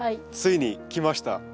ついにきました。